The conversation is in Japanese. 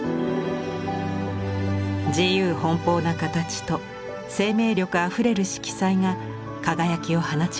自由奔放な形と生命力あふれる色彩が輝きを放ちます。